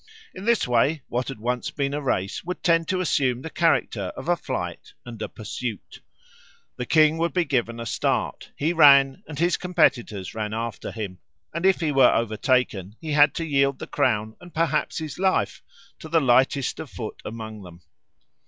In this way what had once been a race would tend to assume the character of a flight and a pursuit. The king would be given a start; he ran and his competitors ran after him, and if he were overtaken he had to yield the crown and perhaps his life to the lightest of foot among them.